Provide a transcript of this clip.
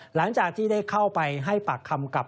หลังจากที่ได้เข้าไปให้ปากคำกับ